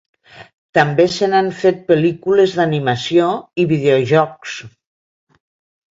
També se n'han fet pel·lícules d'animació i videojocs.